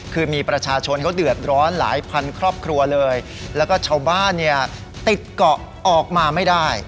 คือมีประชาชนเขาเดือดร้อนหลายพันครอบครัวเลยแล้วก็ชาวบ้านเนี่ยติดเกาะออกมาไม่ได้